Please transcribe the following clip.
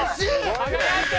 輝いてる！